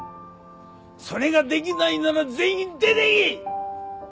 それができないなら全員出てけ！